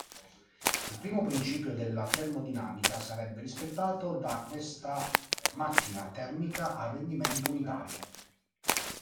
Il primo principio della termodinamica sarebbe rispettato da questa macchina termica a rendimento unitario.